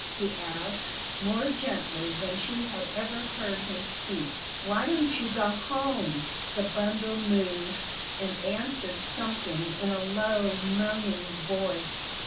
he asked, more gently than she had ever heard him speak. "Why don't you go home?" The bundle moved, and answered something in a low, moaning voice.